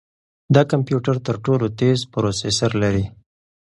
دا کمپیوټر تر ټولو تېز پروسیسر لري.